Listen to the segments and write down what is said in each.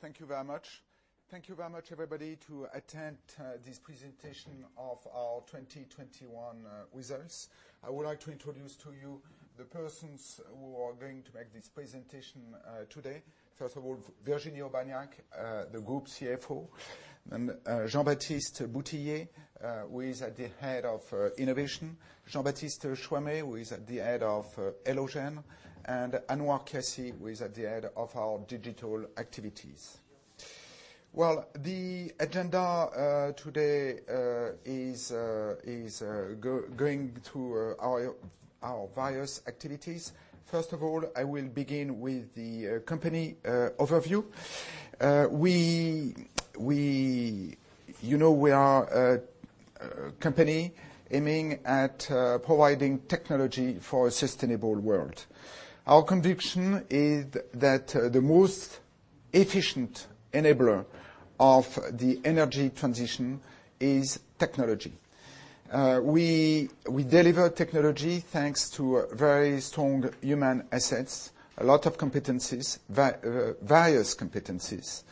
Thank you very much. Thank you very much, everybody, to attend this presentation of our 2021 results. I would like to introduce to you the persons who are going to make this presentation today. First of all, Virginie Aubagnac, the Group CFO, and Jean-Baptiste Boutillier, who is at the head of innovation, Jean-Baptiste Choimet, who is at the head of Elogen, and Anouar Kiassi, who is at the head of our digital activities. The agenda today is going through our various activities. First of all, I will begin with the company overview. We are a company aiming at providing technology for a sustainable world. Our conviction is that the most efficient enabler of the energy transition is technology. We deliver technology thanks to very strong human assets, a lot of competencies, various competencies.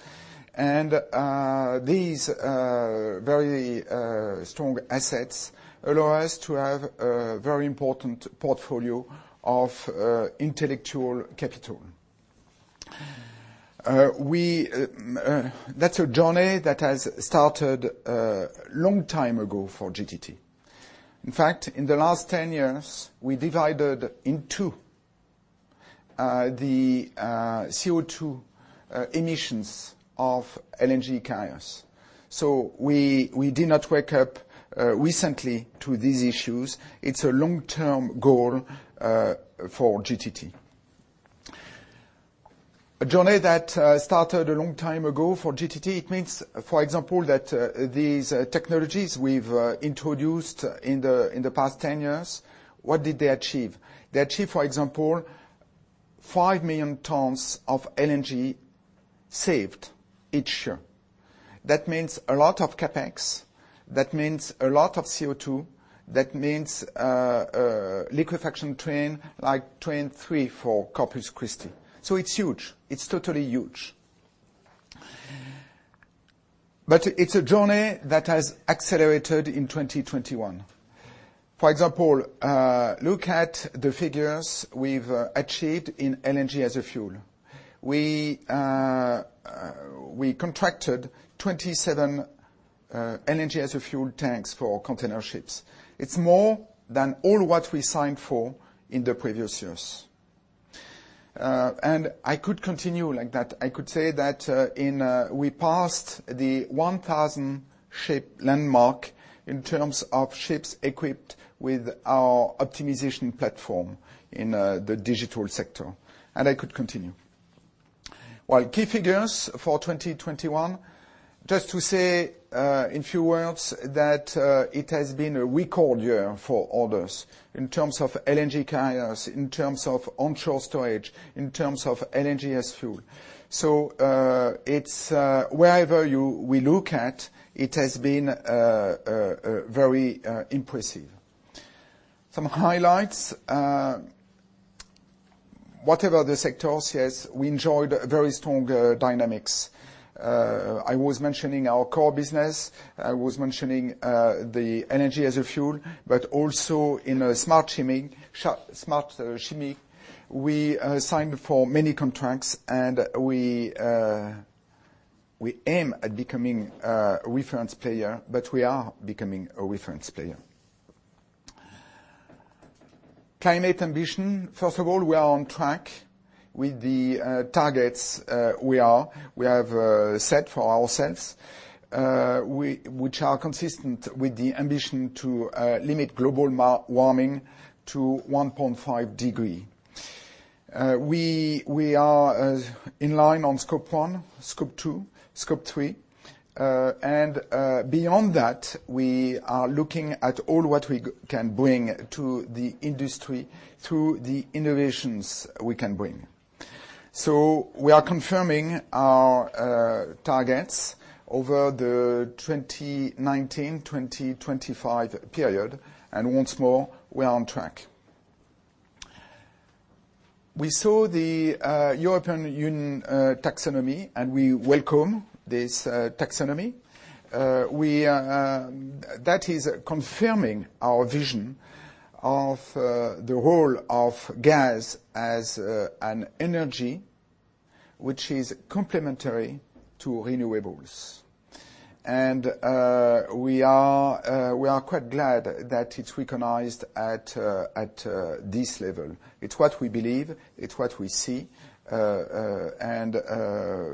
These very strong assets allow us to have a very important portfolio of intellectual capital. That's a journey that has started a long time ago for GTT. In fact, in the last 10 years, we divided in two the CO2 emissions of LNG carriers. So we did not wake up recently to these issues. It's a long-term goal for GTT. A journey that started a long time ago for GTT, it means, for example, that these technologies we've introduced in the past 10 years, what did they achieve? They achieved, for example, 5 million tons of LNG saved each year. That means a lot of CapEx. That means a lot of CO2. That means liquefaction train like Train 3 for Corpus Christi. So it's huge. It's totally huge. But it's a journey that has accelerated in 2021. For example, look at the figures we've achieved in LNG as fuel. We contracted 27 LNG as fuel tanks for container ships. It's more than all what we signed for in the previous years. I could continue like that. I could say that we passed the 1,000-ship landmark in terms of ships equipped with our optimization platform in the digital sector. I could continue. Key figures for 2021, just to say in a few words that it has been a record year for all of us in terms of LNG carriers, in terms of onshore storage, in terms of LNG as fuel. Wherever we look at, it has been very impressive. Some highlights, whatever the sectors yes, we enjoyed very strong dynamics. I was mentioning our core business. I was mentioning the energy as a fuel, but also in Smart Shipping, Smart Shipping, we signed for many contracts, and we aim at becoming a reference player, but we are becoming a reference player. Climate ambition. First of all, we are on track with the targets we have set for ourselves, which are consistent with the ambition to limit global warming to 1.5 degrees. We are in line on Scope 1, Scope 2, Scope 3, and beyond that, we are looking at all what we can bring to the industry through the innovations we can bring, so we are confirming our targets over the 2019-2025 period, and once more, we are on track. We saw the EU Taxonomy, and we welcome this taxonomy. That is confirming our vision of the role of gas as an energy which is complementary to renewables. And we are quite glad that it's recognized at this level. It's what we believe. It's what we see, and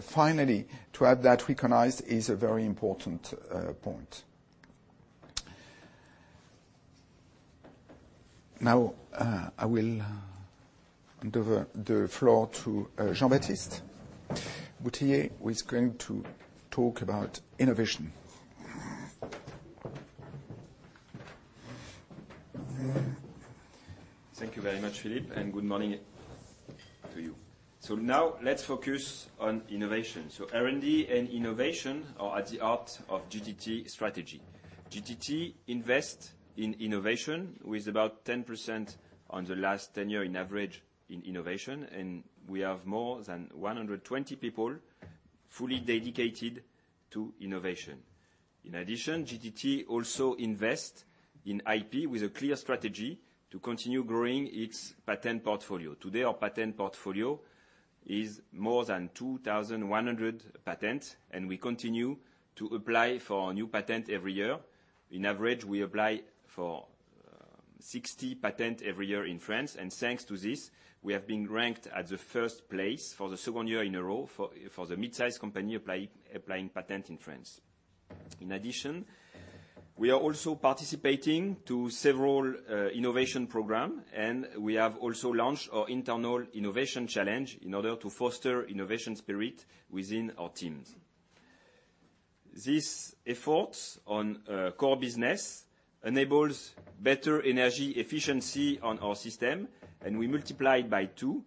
finally, to have that recognized is a very important point. Now, I will hand over the floor to Jean-Baptiste Boutillier, who is going to talk about innovation. Thank you very much, Philippe, and good morning to you. So now, let's focus on innovation. So R&D and innovation are at the heart of GTT strategy. GTT invests in innovation, with about 10% on the last 10 years in average in innovation. And we have more than 120 people fully dedicated to innovation. In addition, GTT also invests in IP with a clear strategy to continue growing its patent portfolio. Today, our patent portfolio is more than 2,100 patents, and we continue to apply for new patents every year. In average, we apply for 60 patents every year in France. And thanks to this, we have been ranked at the first place for the second year in a row for the mid-size company applying patents in France. In addition, we are also participating in several innovation programs, and we have also launched our internal innovation challenge in order to foster innovation spirit within our teams. This effort on core business enables better energy efficiency on our system, and we multiply it by two,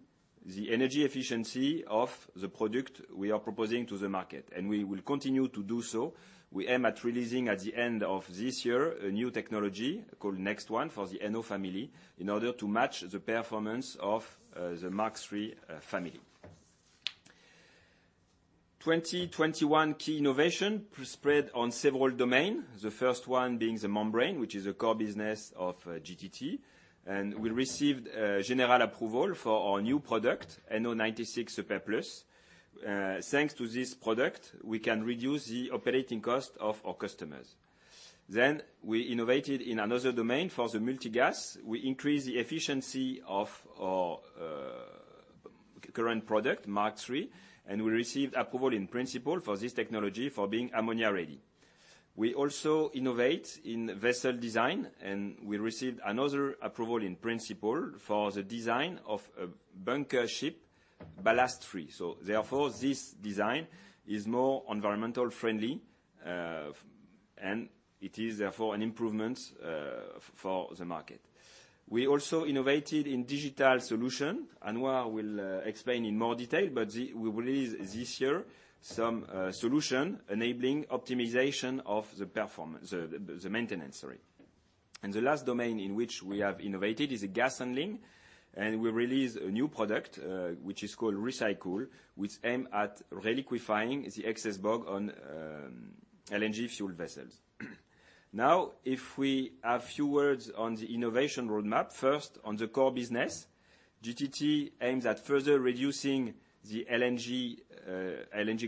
the energy efficiency of the product we are proposing to the market. We will continue to do so. We aim at releasing at the end of this year a new technology called NEXT1 for the NO family in order to match the performance of the Mark III family. 2021 key innovation spread on several domains, the first one being the membrane, which is a core business of GTT. We received general approval for our new product, NO96 Super+. Thanks to this product, we can reduce the operating cost of our customers. We innovated in another domain for the multi-gas. We increased the efficiency of our current product, Mark III, and we received approval in principle for this technology for being ammonia-ready. We also innovate in vessel design, and we received another approval in principle for the design of a bunker ship ballast-free. Therefore, this design is more environmentally friendly, and it is therefore an improvement for the market. We also innovated in digital solution. Anouar will explain in more detail, but we released this year some solution enabling optimization of the performance, the maintenance, sorry. The last domain in which we have innovated is gas handling, and we released a new product which is called Recycool, which aims at reliquefying the excess boil-off on LNG fuel vessels. Now, if we have a few words on the innovation roadmap, first, on the core business, GTT aims at further reducing the LNG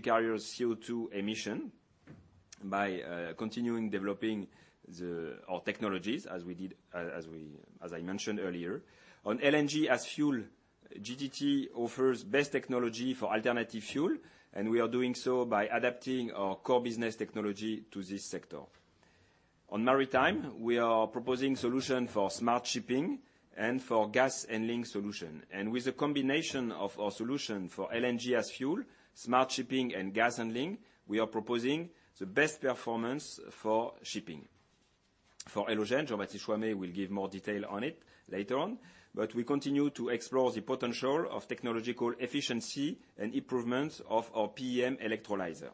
carrier's CO2 emission by continuing developing our technologies, as I mentioned earlier. On LNG as fuel, GTT offers best technology for alternative fuel, and we are doing so by adapting our core business technology to this sector. On maritime, we are proposing solutions for smart shipping and for gas handling solutions. And with the combination of our solution for LNG as fuel, smart shipping, and gas handling, we are proposing the best performance for shipping. For Elogen, Jean-Baptiste Choimet will give more detail on it later on. But we continue to explore the potential of technological efficiency and improvements of our PEM electrolyzer.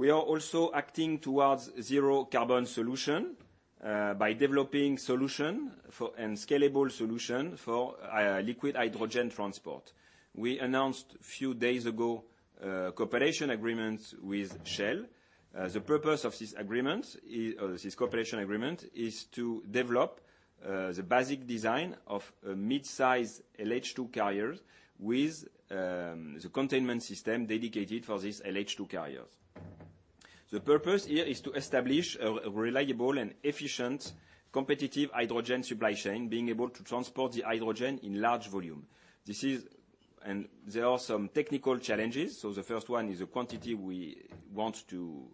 We are also acting towards zero-carbon solution by developing solutions and scalable solutions for liquid hydrogen transport. We announced a few days ago a cooperation agreement with Shell. The purpose of this cooperation agreement is to develop the basic design of mid-size LH2 carriers with the containment system dedicated for these LH2 carriers. The purpose here is to establish a reliable and efficient, competitive hydrogen supply chain, being able to transport the hydrogen in large volume. There are some technical challenges. The first one is the quantity we want to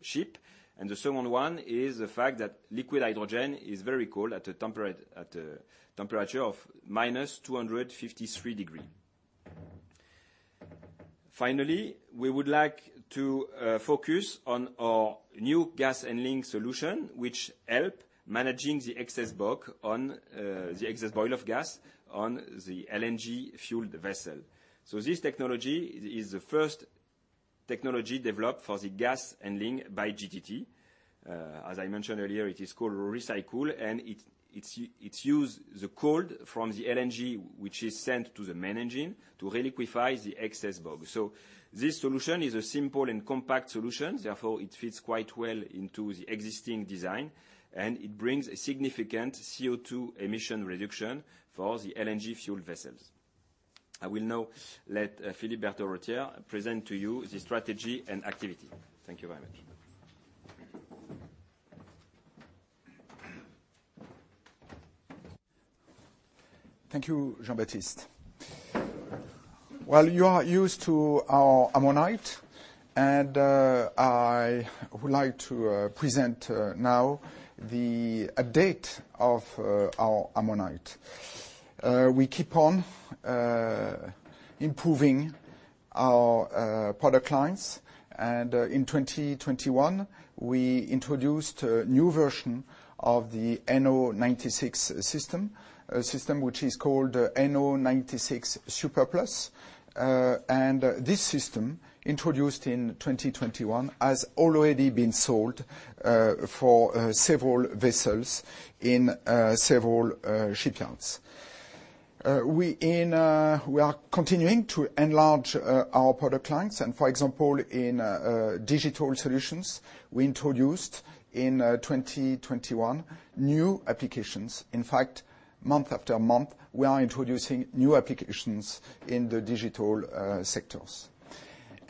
ship. The second one is the fact that liquid hydrogen is very cold at a temperature of minus 253 degrees. Finally, we would like to focus on our new gas handling solution, which helps manage the excess boil-off gas on the LNG-fueled vessel. This technology is the first technology developed for the gas handling by GTT. As I mentioned earlier, it is called Recycool, and it uses the cold from the LNG, which is sent to the main engine, to reliquefy the excess boil-off. So this solution is a simple and compact solution. Therefore, it fits quite well into the existing design, and it brings a significant CO2 emission reduction for the LNG fuel vessels. I will now let Philippe Berterottière present to you the strategy and activity. Thank you very much. Thank you, Jean-Baptiste. You are used to our NO96, and I would like to present now the update of our NO96. We keep on improving our product lines. In 2021, we introduced a new version of the NO96 system, a system which is called NO96 Super+. This system, introduced in 2021, has already been sold for several vessels in several shipyards. We are continuing to enlarge our product lines. For example, in digital solutions, we introduced in 2021 new applications. In fact, month after month, we are introducing new applications in the digital sectors.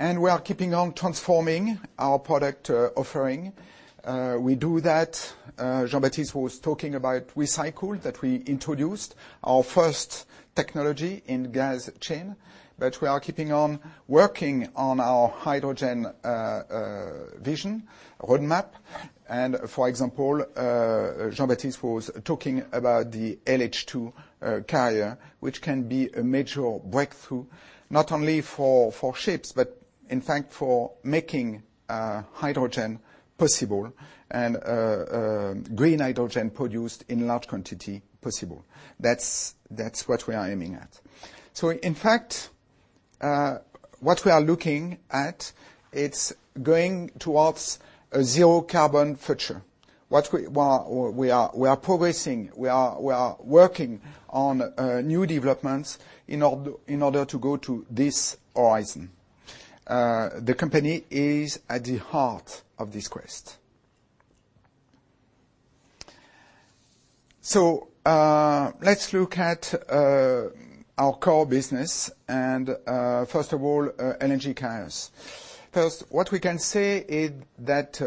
We are keeping on transforming our product offering. We do that, Jean-Baptiste was talking about Recycool, that we introduced our first technology in the gas chain. But we are keeping on working on our hydrogen vision roadmap. For example, Jean-Baptiste was talking about the LH2 carrier, which can be a major breakthrough not only for ships, but in fact, for making hydrogen possible and green hydrogen produced in large quantity possible. That's what we are aiming at. So in fact, what we are looking at, it's going towards a zero-carbon future. We are progressing. We are working on new developments in order to go to this horizon. The company is at the heart of this quest. So let's look at our core business. And first of all, energy carriers. First, what we can say is that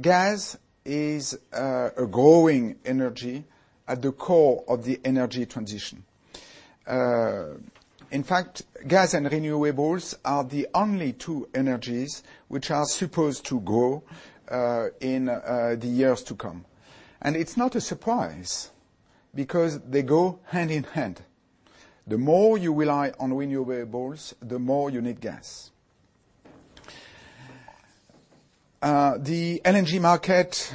gas is a growing energy at the core of the energy transition. In fact, gas and renewables are the only two energies which are supposed to grow in the years to come. And it's not a surprise because they go hand in hand. The more you rely on renewables, the more you need gas. The LNG market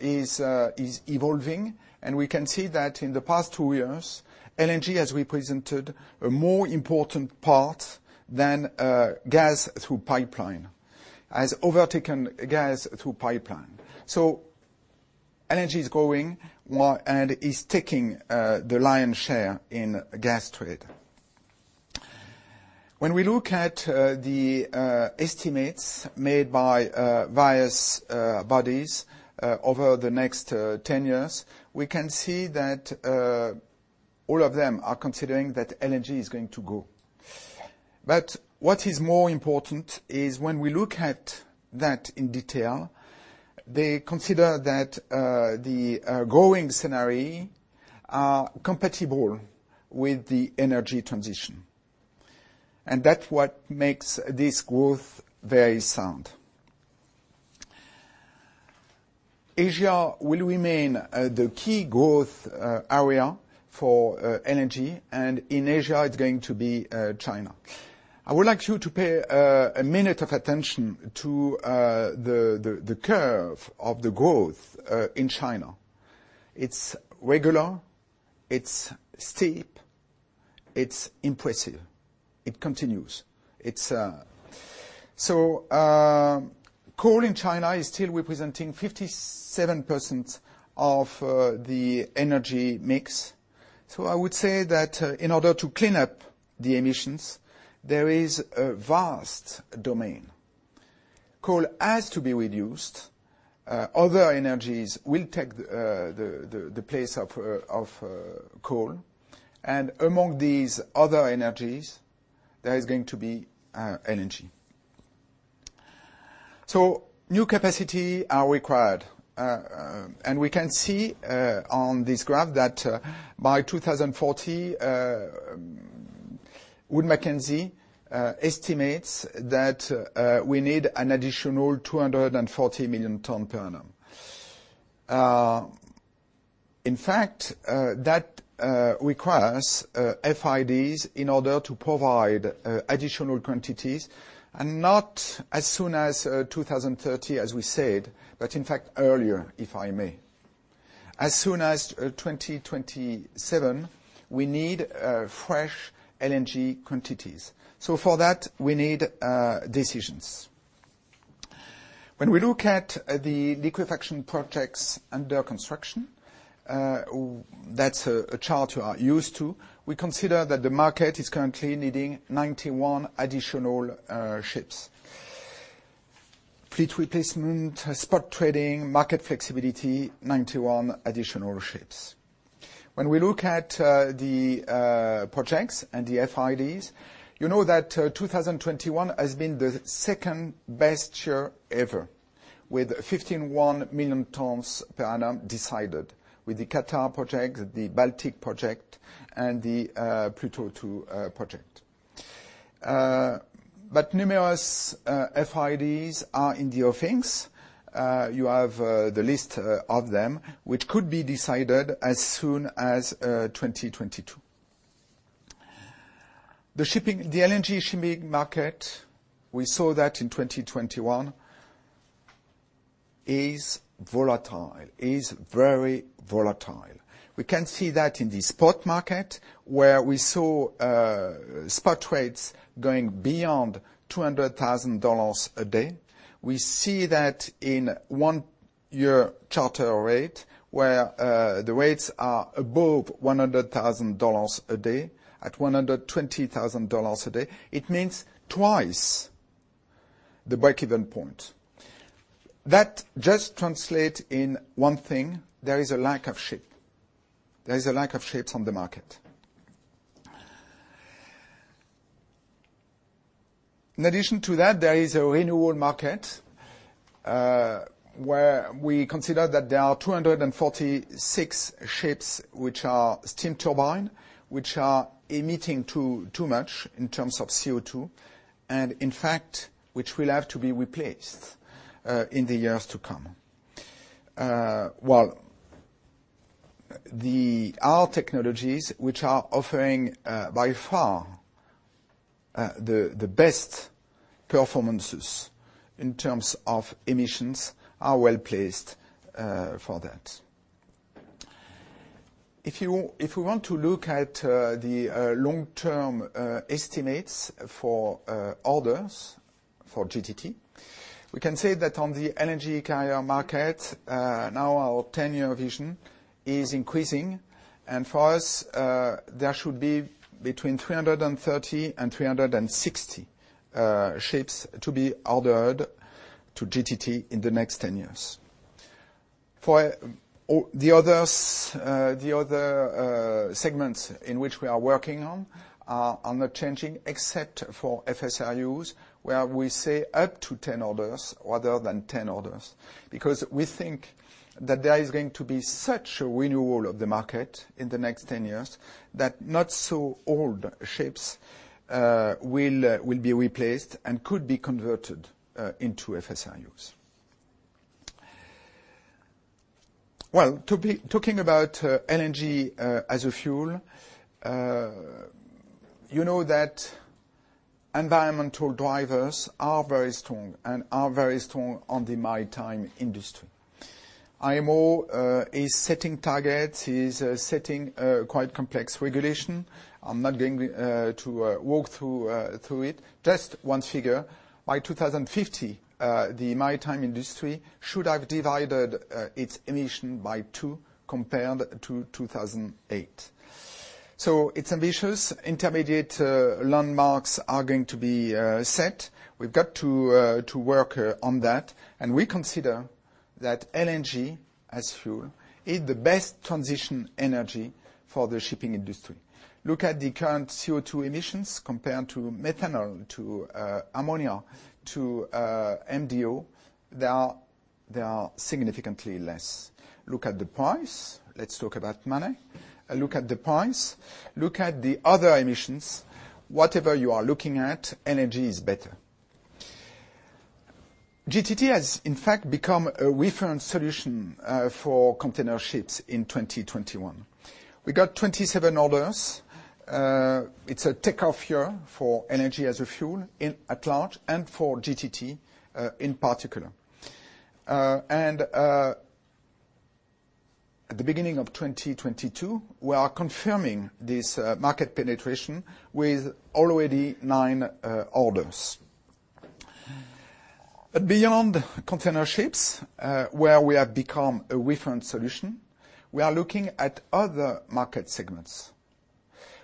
is evolving, and we can see that in the past two years, LNG has represented a more important part than gas through pipeline, as has overtaken gas through pipeline. So LNG is growing and is taking the lion's share in the gas trade. When we look at the estimates made by various bodies over the next 10 years, we can see that all of them are considering that LNG is going to grow. But what is more important is when we look at that in detail, they consider that the growing scenario is compatible with the energy transition. And that's what makes this growth very sound. Asia will remain the key growth area for LNG. And in Asia, it's going to be China. I would like you to pay a minute of attention to the curve of the growth in China. It's regular. It's steep. It's impressive. It continues. So coal in China is still representing 57% of the energy mix. So I would say that in order to clean up the emissions, there is a vast domain. Coal has to be reduced. Other energies will take the place of coal. And among these other energies that is going to be energy. So new capacity is required. And we can see on this graph that by 2040, Wood Mackenzie estimates that we need an additional 240 million tons per annum. In fact, that requires FIDs in order to provide additional quantities, and not as soon as 2030, as we said, but in fact, earlier, if I may. As soon as 2027, we need fresh LNG quantities. So for that, we need decisions. When we look at the liquefaction projects under construction, that's a chart you are used to, we consider that the market is currently needing 91 additional ships. Fleet replacement, spot trading, market flexibility, 91 additional ships. When we look at the projects and the FIDs, you know that 2021 has been the second best year ever, with 51 million tons per annum decided, with the Qatar project, the Baltic project, and the Pluto II project. But numerous FIDs are in the offings. You have the list of them, which could be decided as soon as 2022. The LNG shipping market, we saw that in 2021, is volatile, is very volatile. We can see that in the spot market, where we saw spot rates going beyond $200,000 a day. We see that in one-year charter rate, where the rates are above $100,000 a day, at $120,000 a day. It means twice the break-even point. That just translates in one thing: there is a lack of ships. There is a lack of ships on the market. In addition to that, there is a renewable market where we consider that there are 246 ships which are steam turbines, which are emitting too much in terms of CO2, and in fact, which will have to be replaced in the years to come. Our technologies, which are offering by far the best performances in terms of emissions, are well placed for that. If we want to look at the long-term estimates for orders for GTT, we can say that on the energy carrier market, now our 10-year vision is increasing. And for us, there should be between 330 and 360 ships to be ordered to GTT in the next 10 years. The other segments in which we are working on are not changing, except for FSRUs, where we say up to 10 orders rather than 10 orders. Because we think that there is going to be such a renewal of the market in the next 10 years that not-so-old ships will be replaced and could be converted into FSRUs. Well, talking about LNG as a fuel, you know that environmental drivers are very strong and are very strong on the maritime industry. IMO is setting targets, is setting quite complex regulations. I'm not going to walk through it. Just one figure: by 2050, the maritime industry should have divided its emissions by two compared to 2008. So it's ambitious. Intermediate landmarks are going to be set. We've got to work on that. And we consider that LNG as fuel is the best transition energy for the shipping industry. Look at the current CO2 emissions compared to methanol, to ammonia, to MDO. There are significantly less. Look at the price. Let's talk about money. Look at the price. Look at the other emissions. Whatever you are looking at, LNG is better. GTT has, in fact, become a reference solution for container ships in 2021. We got 27 orders. It's a takeoff year for LNG as a fuel at large and for GTT in particular. And at the beginning of 2022, we are confirming this market penetration with already nine orders. But beyond container ships, where we have become a reference solution, we are looking at other market segments.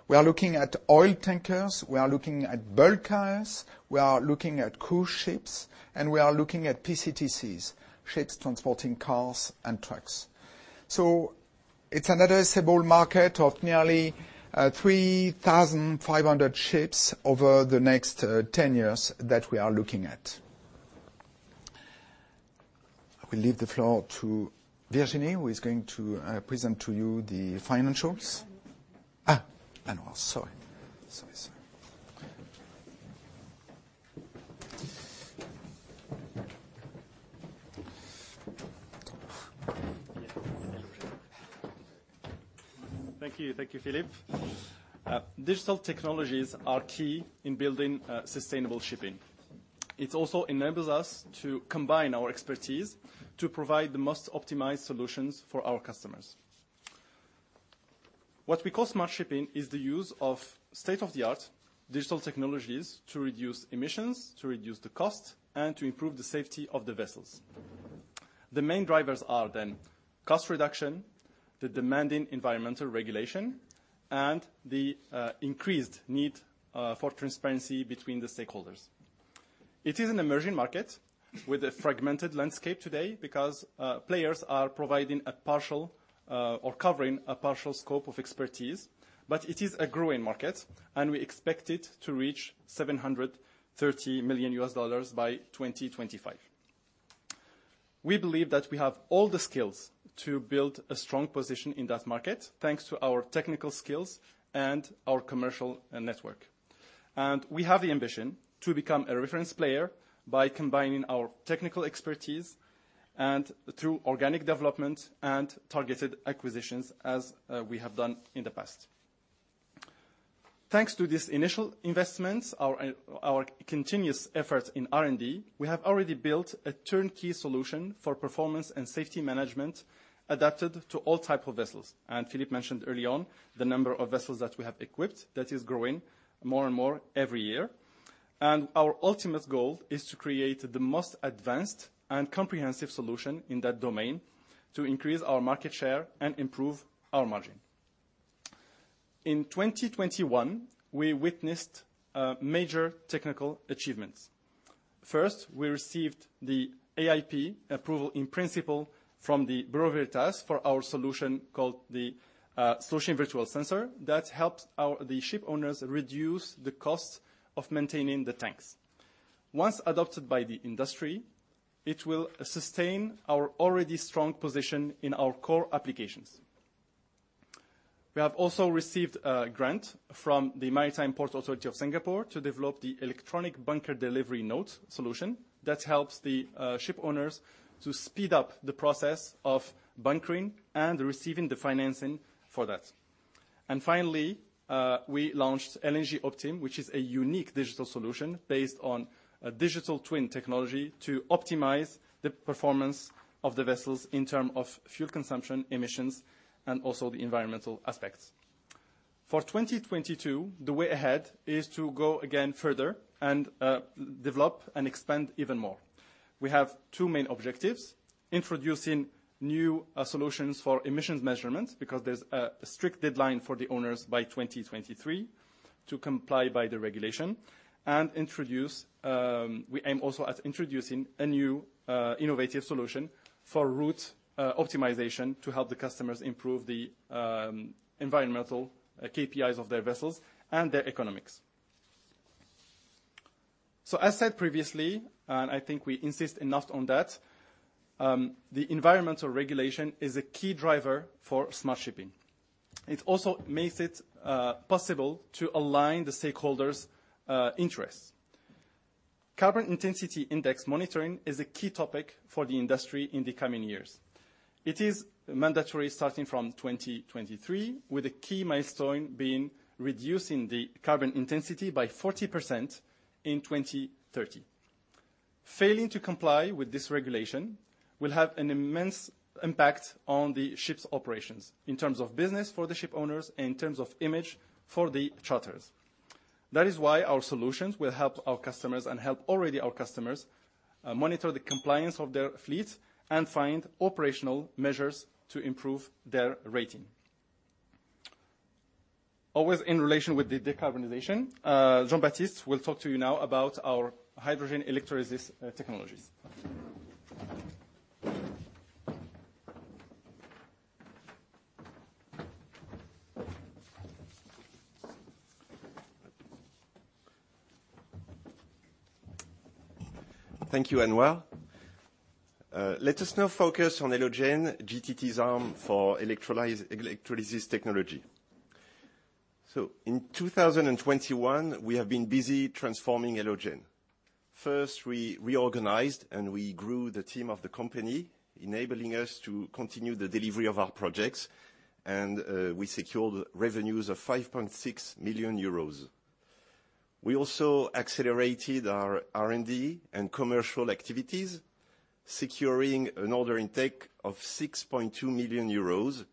We are looking at oil tankers. We are looking at bulk carriers. We are looking at cruise ships. And we are looking at PCTCs, ships transporting cars and trucks. So it's an addressable market of nearly 3,500 ships over the next 10 years that we are looking at. I will leave the floor to Virginie, who is going to present to you the financials. Anouar, sorry. Sorry, sorry. Thank you. Thank you, Philippe. Digital technologies are key in building sustainable shipping. It also enables us to combine our expertise to provide the most optimized solutions for our customers. What we call smart shipping is the use of state-of-the-art digital technologies to reduce emissions, to reduce the cost, and to improve the safety of the vessels. The main drivers are then cost reduction, the demanding environmental regulation, and the increased need for transparency between the stakeholders. It is an emerging market with a fragmented landscape today because players are providing a partial or covering a partial scope of expertise. But it is a growing market, and we expect it to reach $730 million by 2025. We believe that we have all the skills to build a strong position in that market thanks to our technical skills and our commercial network. We have the ambition to become a reference player by combining our technical expertise and through organic development and targeted acquisitions, as we have done in the past. Thanks to this initial investment, our continuous efforts in R&D, we have already built a turnkey solution for performance and safety management adapted to all types of vessels. Philippe mentioned early on the number of vessels that we have equipped that is growing more and more every year. Our ultimate goal is to create the most advanced and comprehensive solution in that domain to increase our market share and improve our margin. In 2021, we witnessed major technical achievements. First, we received the AiP approval in principle from the Bureau Veritas for our solution called the Sloshing Virtual Sensor that helps the ship owners reduce the costs of maintaining the tanks. Once adopted by the industry, it will sustain our already strong position in our core applications. We have also received a grant from the Maritime and Port Authority of Singapore to develop the electronic bunker delivery note solution that helps the ship owners to speed up the process of bunkering and receiving the financing for that. And finally, we launched LNG Optim, which is a unique digital solution based on a digital twin technology to optimize the performance of the vessels in terms of fuel consumption, emissions, and also the environmental aspects. For 2022, the way ahead is to go again further and develop and expand even more. We have two main objectives: introducing new solutions for emissions measurement because there's a strict deadline for the owners by 2023 to comply by the regulation, and we aim also at introducing a new innovative solution for route optimization to help the customers improve the environmental KPIs of their vessels and their economics. So, as said previously, and I think we insist enough on that, the environmental regulation is a key driver for Smart Shipping. It also makes it possible to align the stakeholders' interests. Carbon Intensity Index monitoring is a key topic for the industry in the coming years. It is mandatory starting from 2023, with a key milestone being reducing the carbon intensity by 40% in 2030. Failing to comply with this regulation will have an immense impact on the ship's operations in terms of business for the ship owners and in terms of image for the charters. That is why our solutions will help our customers and help already our customers monitor the compliance of their fleets and find operational measures to improve their rating. Always in relation with the decarbonization, Jean-Baptiste will talk to you now about our hydrogen electrolysis technologies. Thank you, Anouar. Let us now focus on Elogen, GTT's arm for electrolysis technology. So, in 2021, we have been busy transforming Elogen. First, we reorganized and we grew the team of the company, enabling us to continue the delivery of our projects. And we secured revenues of 5.6 million euros. We also accelerated our R&D and commercial activities, securing an order intake of 6.2 million euros,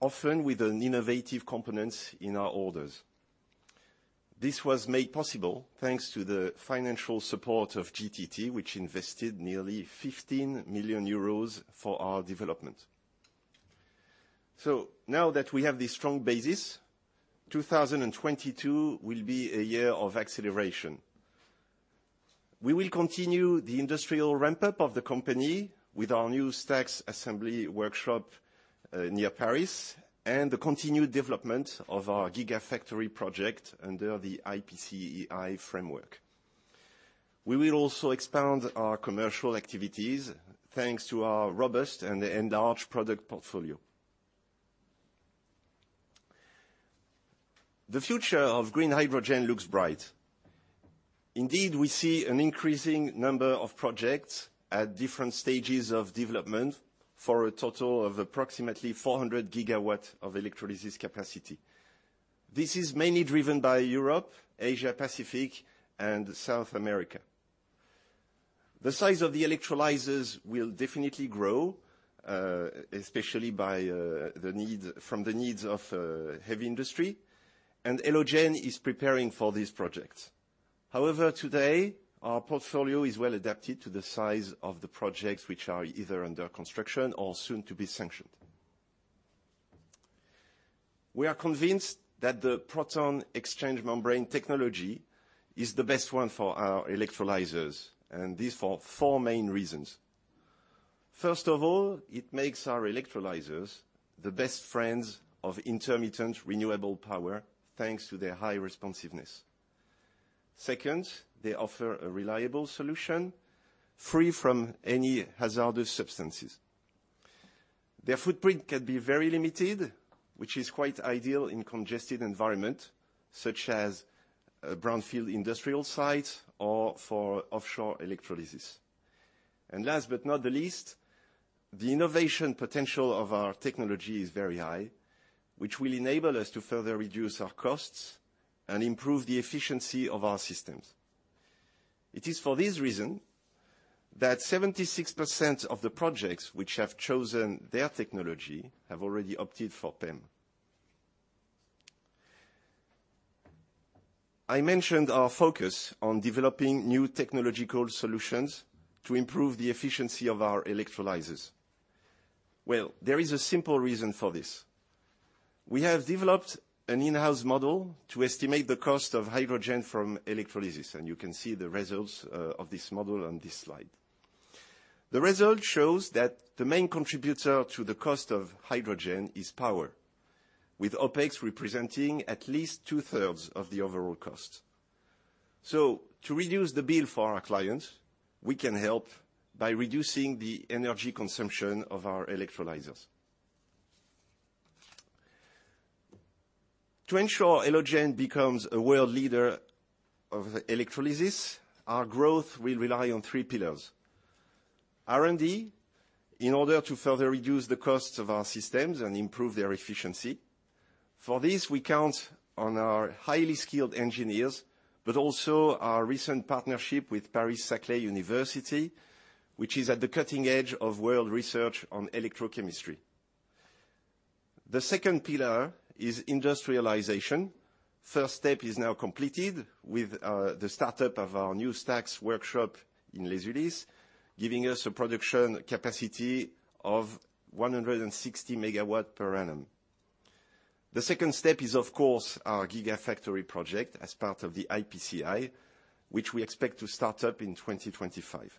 often with innovative components in our orders. This was made possible thanks to the financial support of GTT, which invested nearly 15 million euros for our development. So, now that we have this strong basis, 2022 will be a year of acceleration. We will continue the industrial ramp-up of the company with our new stacks assembly workshop near Paris and the continued development of our gigafactory project under the IPCEI framework. We will also expand our commercial activities thanks to our robust and enlarged product portfolio. The future of green hydrogen looks bright. Indeed, we see an increasing number of projects at different stages of development for a total of approximately 400 gigawatts of electrolysis capacity. This is mainly driven by Europe, Asia-Pacific, and South America. The size of the electrolyzers will definitely grow, especially from the needs of heavy industry, and Elogen is preparing for these projects. However, today, our portfolio is well adapted to the size of the projects which are either under construction or soon to be sanctioned. We are convinced that the proton exchange membrane technology is the best one for our electrolyzers. This is for four main reasons. First of all, it makes our electrolyzers the best friends of intermittent renewable power thanks to their high responsiveness. Second, they offer a reliable solution free from any hazardous substances. Their footprint can be very limited, which is quite ideal in congested environments such as brownfield industrial sites or for offshore electrolysis. Last but not the least, the innovation potential of our technology is very high, which will enable us to further reduce our costs and improve the efficiency of our systems. It is for this reason that 76% of the projects which have chosen their technology have already opted for PEM. I mentioned our focus on developing new technological solutions to improve the efficiency of our electrolyzers. There is a simple reason for this. We have developed an in-house model to estimate the cost of hydrogen from electrolysis. You can see the results of this model on this slide. The result shows that the main contributor to the cost of hydrogen is power, with OPEX representing at least two-thirds of the overall cost. To reduce the bill for our clients, we can help by reducing the energy consumption of our electrolyzers. To ensure Elogen becomes a world leader of electrolysis, our growth will rely on three pillars: R&D, in order to further reduce the costs of our systems and improve their efficiency. For this, we count on our highly skilled engineers, but also our recent partnership with Université Paris-Saclay, which is at the cutting edge of world research on electrochemistry. The second pillar is industrialization. The first step is now completed with the startup of our new stacks workshop in Les Ulis, giving us a production capacity of 160 megawatts per annum. The second step is, of course, our gigafactory project as part of the IPCEI, which we expect to start up in 2025,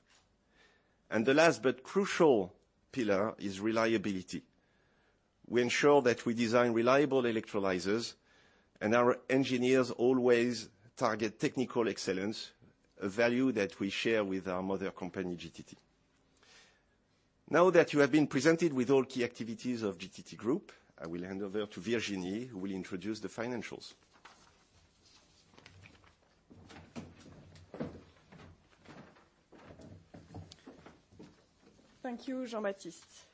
and the last but crucial pillar is reliability. We ensure that we design reliable electrolyzers, and our engineers always target technical excellence, a value that we share with our mother company, GTT. Now that you have been presented with all key activities of GTT Group, I will hand over to Virginie, who will introduce the financials. Thank you, Jean-Baptiste.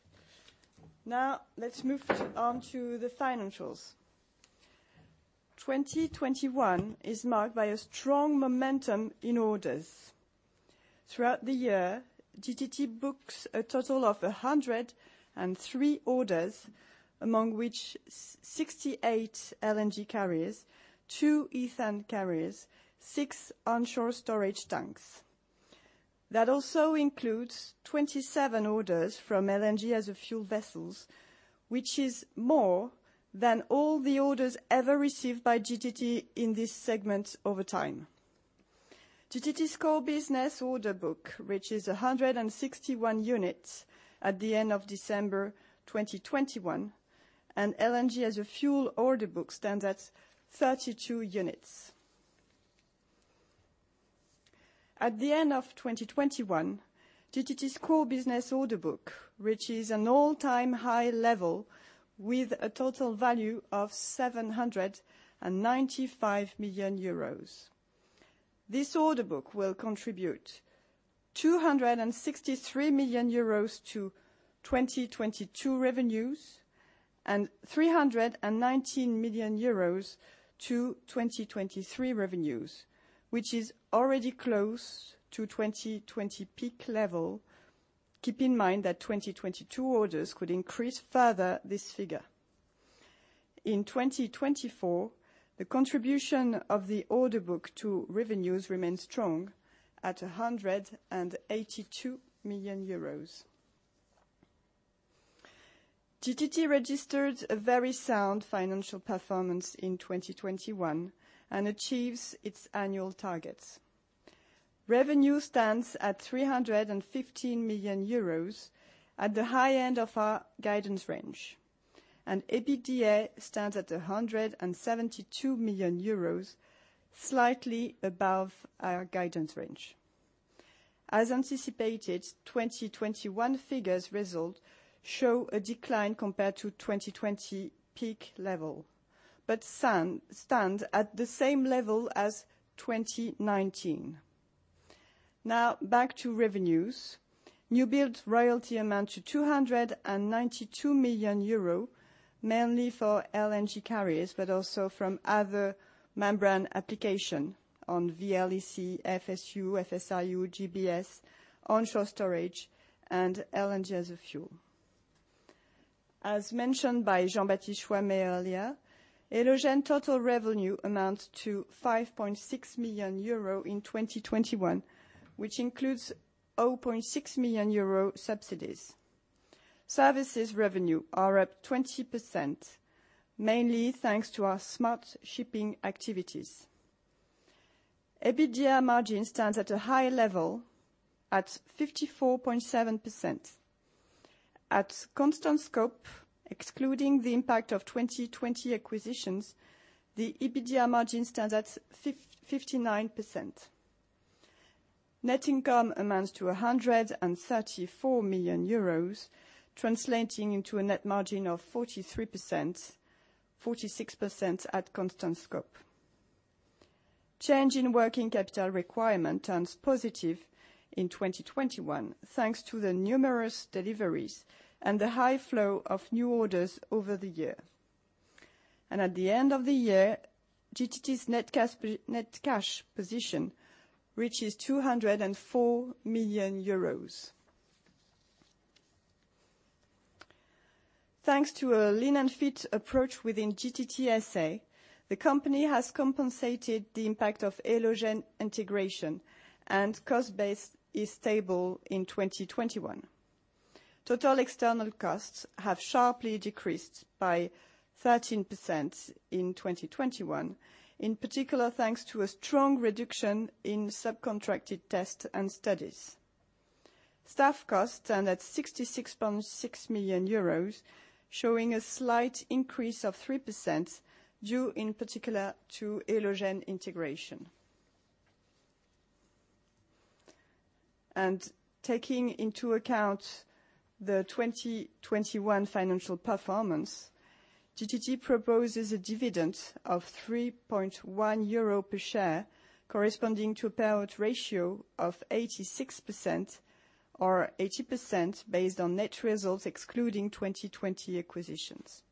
Now, let's move on to the financials. 2021 is marked by a strong momentum in orders. Throughout the year, GTT books a total of 103 orders, among which 68 LNG carriers, two ethane carriers, and six onshore storage tanks. That also includes 27 orders from LNG as a fuel vessel, which is more than all the orders ever received by GTT in this segment over time. GTT's core business order book reaches 161 units at the end of December 2021, and LNG as a fuel order book stands at 32 units. At the end of 2021, GTT's core business order book reaches an all-time high level with a total value of 795 million euros. This order book will contribute 263 million euros to 2022 revenues and 319 million euros to 2023 revenues, which is already close to 2020 peak level. Keep in mind that 2022 orders could increase further this figure. In 2024, the contribution of the order book to revenues remains strong at EUR 182 million. GTT registered a very sound financial performance in 2021 and achieves its annual targets. Revenue stands at 315 million euros at the high end of our guidance range, and EBITDA stands at 172 million euros, slightly above our guidance range. As anticipated, 2021 figures' result shows a decline compared to 2020 peak level but stands at the same level as 2019. Now, back to revenues. New build royalty amounts to 292 million euro, mainly for LNG carriers, but also from other membrane applications on VLEC, FSU, FSRU, GBS, onshore storage, and LNG as a fuel. As mentioned by Jean-Baptiste Choimet earlier, Elogen total revenue amounts to 5.6 million euro in 2021, which includes 0.6 million euro subsidies. Services revenue is up 20%, mainly thanks to our Smart Shipping activities. EBITDA margin stands at a high level at 54.7%. At constant scope, excluding the impact of 2020 acquisitions, the EBITDA margin stands at 59%. Net income amounts to 134 million euros, translating into a net margin of 43%, 46% at constant scope. Change in working capital requirement turns positive in 2021 thanks to the numerous deliveries and the high flow of new orders over the year. At the end of the year, GTT's net cash position reaches EUR 204 million. Thanks to a lean and fit approach within GTT SA, the company has compensated the impact of Elogen integration, and cost base is stable in 2021. Total external costs have sharply decreased by 13% in 2021, in particular thanks to a strong reduction in subcontracted tests and studies. Staff costs stand at 66.6 million euros, showing a slight increase of 3% due in particular to Elogen integration. Taking into account the 2021 financial performance, GTT proposes a dividend of 3.1 euro per share, corresponding to a payout ratio of 86% or 80% based on net results excluding 2020 acquisitions.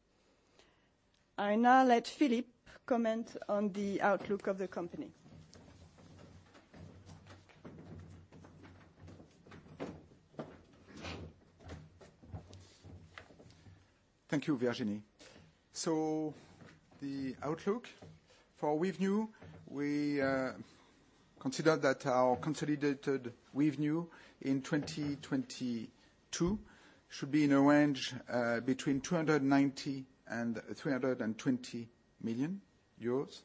I now let Philippe comment on the outlook of the company. Thank you, Virginie. So the outlook for revenue, we consider that our consolidated revenue in 2022 should be in a range between 290 million and 320 million euros.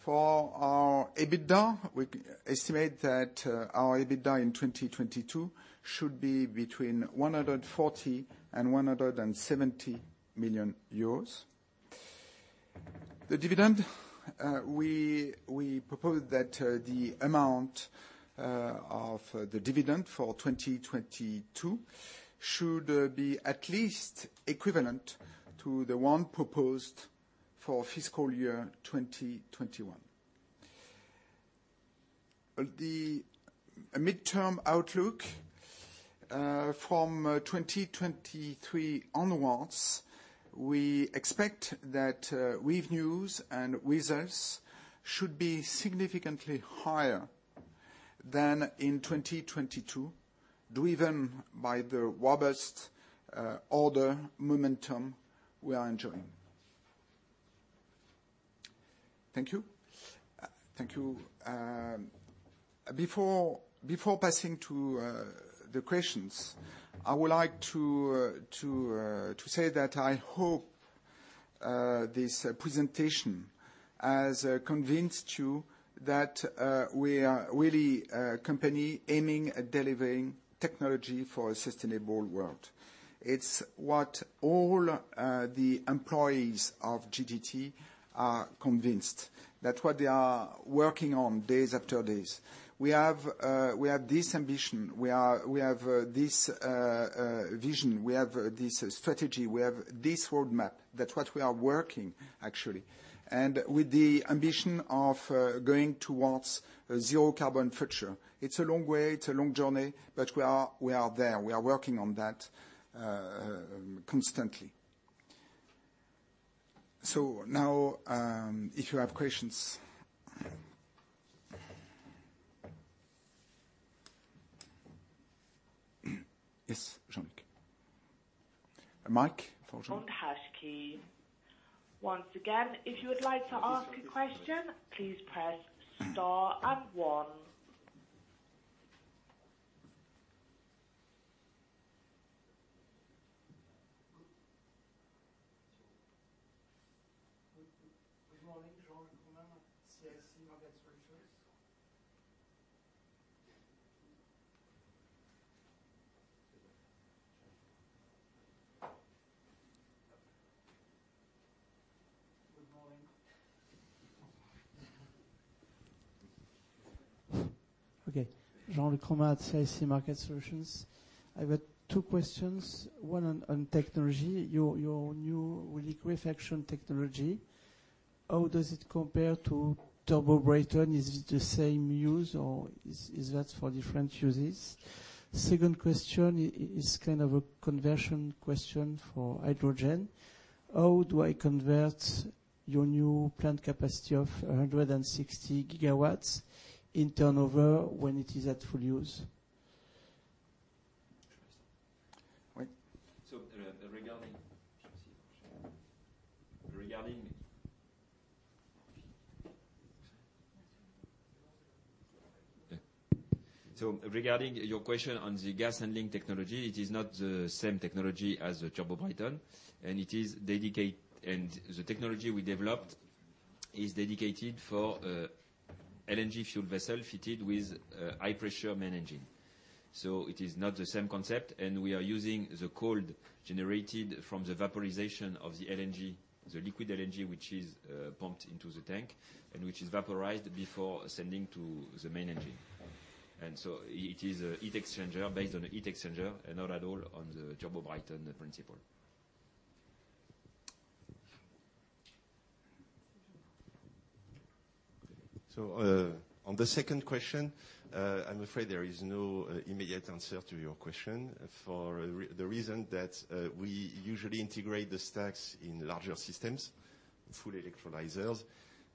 For our EBITDA, we estimate that our EBITDA in 2022 should be between 140 million and 170 million euros. The dividend, we propose that the amount of the dividend for 2022 should be at least equivalent to the one proposed for fiscal year 2021. The midterm outlook from 2023 onwards, we expect that revenues and results should be significantly higher than in 2022, driven by the robust order momentum we are enjoying. Thank you. Before passing to the questions, I would like to say that I hope this presentation has convinced you that we are really a company aiming at delivering technology for a sustainable world. It's what all the employees of GTT are convinced, that's what they are working on day after day. We have this ambition. We have this vision. We have this strategy. We have this roadmap. That's what we are working, actually, and with the ambition of going towards a zero-carbon future. It's a long way. It's a long journey. But we are there. We are working on that constantly. So now, if you have questions. Yes, Jean-Luc. Mike, for. Once again, if you would like to ask a question, please press star and one. Good morning. Okay. Jean-Luc Romain, CIC Market Solutions. I've got two questions. One on technology. Your new liquefaction technology, how does it compare to Turbo-Brayton? Is it the same use, or is that for different uses? Second question is kind of a conversion question for hydrogen. How do I convert your new plant capacity of 160 gigawatts in turnover when it is at full use? So, regarding your question on the gas handling technology, it is not the same technology as Turbo-Brayton’s, and it is dedicated. And the technology we developed is dedicated for LNG fuel vessels fitted with high-pressure main engine. So it is not the same concept, and we are using the cold generated from the vaporization of the LNG, the liquid LNG, which is pumped into the tank and which is vaporized before sending to the main engine. And so it is a heat exchanger based on a heat exchanger and not at all on the Turbo-Brayton principle. So on the second question, I'm afraid there is no immediate answer to your question for the reason that we usually integrate the stacks in larger systems, full electrolyzers,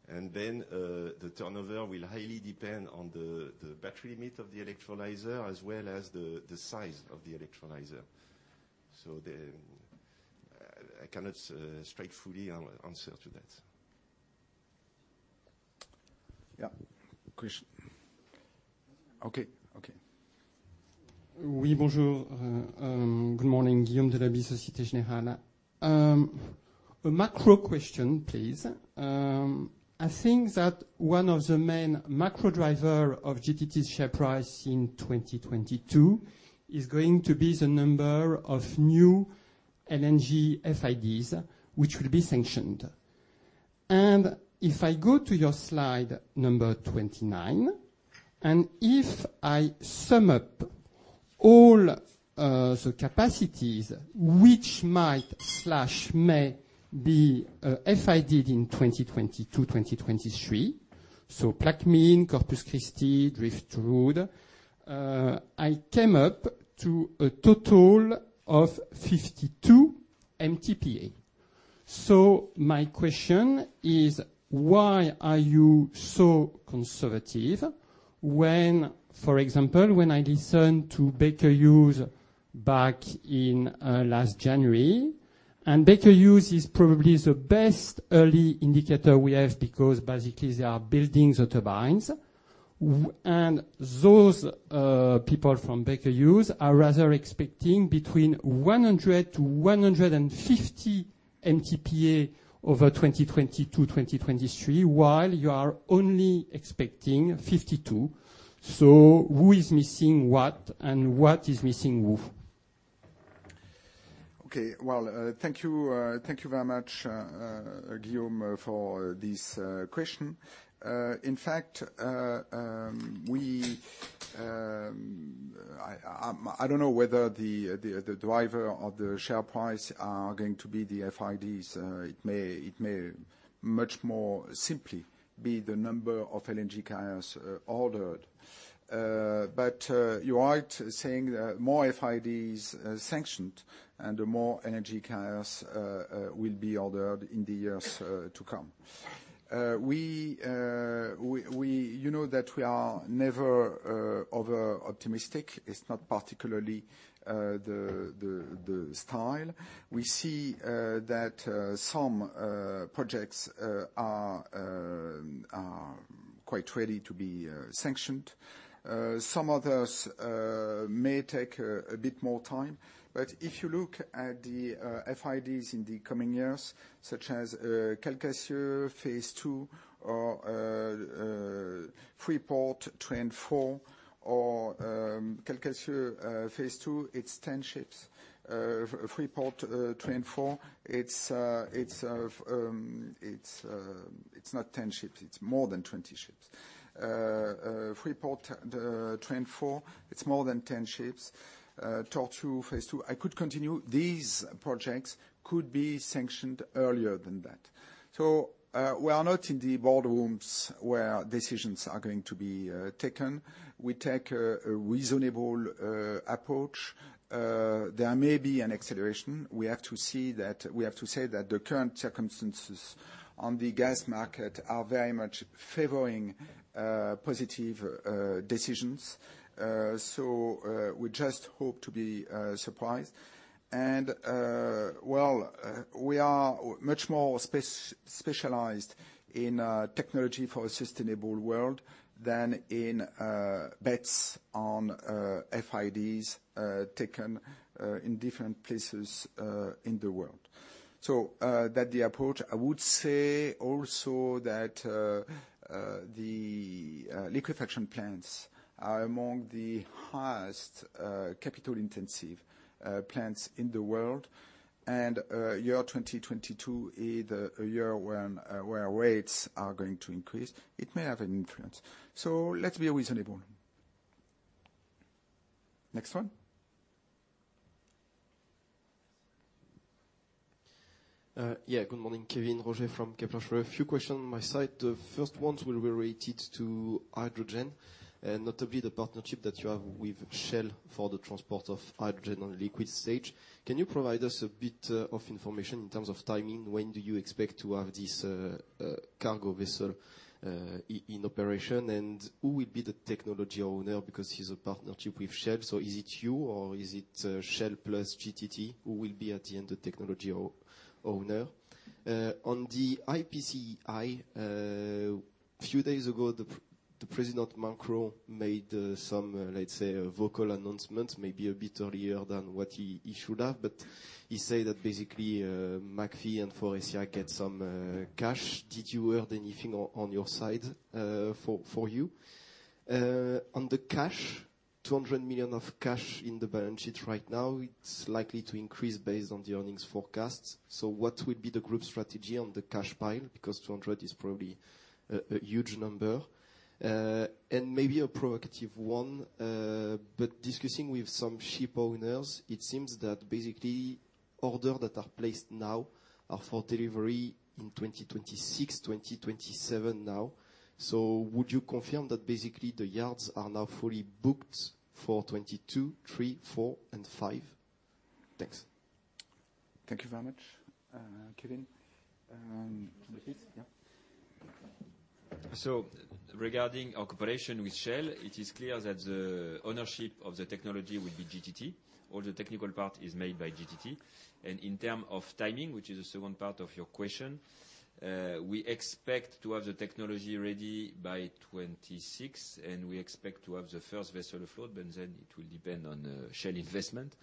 and then the turnover will highly depend on the battery limit of the electrolyzer as well as the size of the electrolyzer. So I cannot straightforwardly answer to that. Yeah. Question. Okay. Okay. Oui, bonjour. Good morning. Guillaume Delaby, Société Générale. A macro question, please. I think that one of the main macro drivers of GTT's share price in 2022 is going to be the number of new LNG FIDs which will be sanctioned. And if I go to your slide number 29, and if I sum up all the capacities which might or may be FIDed in 2022, 2023, so Plaquemines, Corpus Christi, Driftwood, I came up to a total of 52 MTPA. So my question is, why are you so conservative when, for example, when I listened to Baker Hughes back in last January? And Baker Hughes is probably the best early indicator we have because basically they are building the turbines, and those people from Baker Hughes are rather expecting between 100 to 150 MTPA over 2022, 2023, while you are only expecting 52. So who is missing what, and what is missing who? Okay. Well, thank you very much, Guillaume, for this question. In fact, I don't know whether the driver of the share price is going to be the FIDs. It may much more simply be the number of LNG carriers ordered. But you're right saying more FIDs sanctioned, and more LNG carriers will be ordered in the years to come. You know that we are never over-optimistic. It's not particularly the style. We see that some projects are quite ready to be sanctioned. Some others may take a bit more time. But if you look at the FIDs in the coming years, such as Calcasieu Phase 2 or Freeport Train 4, or Calcasieu Phase 2, it's 10 ships. Freeport Train 4, it's not 10 ships. It's more than 20 ships. Freeport Train 4, it's more than 10 ships. Tortue Phase 2, I could continue. These projects could be sanctioned earlier than that, so we are not in the boardrooms where decisions are going to be taken. We take a reasonable approach. There may be an acceleration. We have to see that we have to say that the current circumstances on the gas market are very much favoring positive decisions, so we just hope to be surprised, and well, we are much more specialized in technology for a sustainable world than in bets on FIDs taken in different places in the world, so that's the approach. I would say also that the liquefaction plants are among the highest capital-intensive plants in the world, and year 2022 is a year where rates are going to increase. It may have an influence, so let's be reasonable. Next one. Yeah. Good morning. Kévin Roger from Kepler Cheuvreux. A few questions on my side. The first ones will be related to hydrogen, notably the partnership that you have with Shell for the transport of hydrogen in liquid state. Can you provide us a bit of information in terms of timing? When do you expect to have this cargo vessel in operation? And who will be the technology owner? Because it's a partnership with Shell. So is it you, or is it Shell plus GTT? Who will be in the end the technology owner? On the IPCEI, a few days ago, the president, Macron, made some, let's say, vocal announcements, maybe a bit earlier than what he should have, but he said that basically McPhy and Faurecia get some cash. Did you hear anything on your side for you? On the cash, 200 million of cash in the balance sheet right now. It's likely to increase based on the earnings forecasts. So what will be the group strategy on the cash pile? Because 200 is probably a huge number. And maybe a provocative one. But discussing with some ship owners, it seems that basically orders that are placed now are for delivery in 2026, 2027 now. So would you confirm that basically the yards are now fully booked for 2022, 2023, 2024, and 2025? Thanks. Thank you very much, Kevin. Yeah. So regarding our cooperation with Shell, it is clear that the ownership of the technology will be GTT. All the technical part is made by GTT. And in terms of timing, which is the second part of your question, we expect to have the technology ready by 2026, and we expect to have the first vessel afloat. Then it will depend on Shell investment,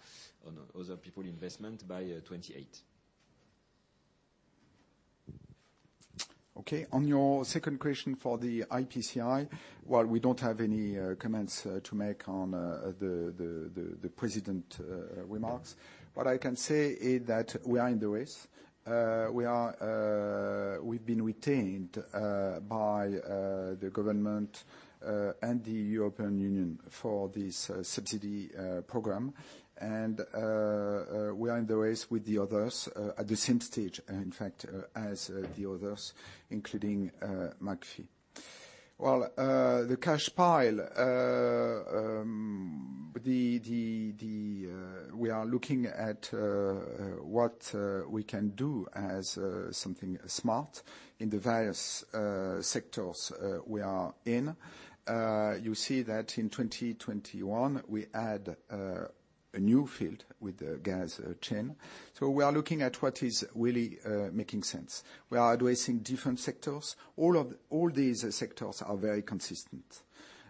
on other people's investment by 2028. Okay. On your second question for the IPCEI, we don't have any comments to make on the president's remarks. What I can say is that we are in the race. We've been retained by the government and the European Union for this subsidy program. We are in the race with the others at the same stage, in fact, as the others, including McPhy. The cash pile, we are looking at what we can do as something smart in the various sectors we are in. You see that in 2021, we add a new field with the gas chain. We are looking at what is really making sense. We are addressing different sectors. All these sectors are very consistent.